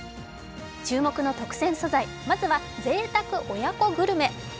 注目の特選素材、まずはぜいたく親子グルメ。